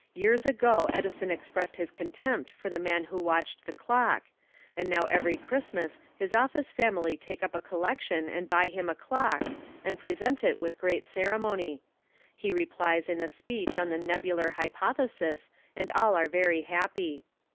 Years ago Edison expressed his contempt for the man who watched the clock, and now every Christmas his office family take up a collection and buy him a clock, and present it with great ceremony. He replies in a speech on the nebular hypothesis and all are very happy.